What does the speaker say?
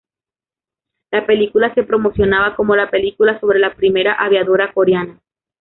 La película se promocionaba como "la película sobre la primera aviadora coreana".